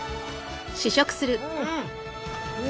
うん！